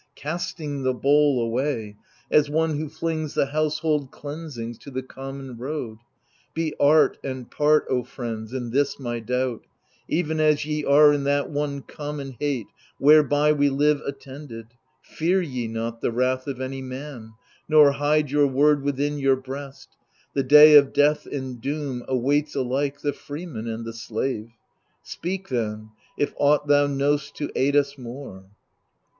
Casting the bowl away, as one who flings The household cleansings to the common road? Be art and part, O friends, in this my doubt, Even as ye are in that one common hate Whereby we live attended : fear ye not The wrath of any man, nor hide your word Within your breast : the day of death and doom Awaits alike the freeman and the slave. Speak, then, if aught thou knoVst to aid us more.